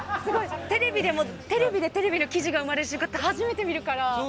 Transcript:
テレビでテレビの記事が生まれる瞬間って初めて見た。